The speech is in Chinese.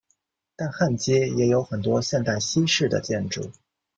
但汉街也有很多现代西式的建筑。